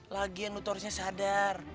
lagi ya nutorisnya sadar